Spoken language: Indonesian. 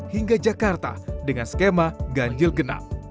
hingga jakarta dengan skema ganjil genap